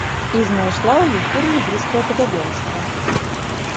І знайшла ў іх вельмі блізкае падабенства.